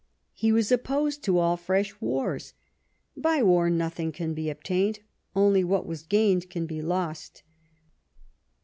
He was opposed to aU fresh wars :" By war, nothing more can be obtained ; only what was gained can be lost."